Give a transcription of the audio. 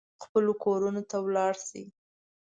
خپلو کورونو ته ولاړ شي.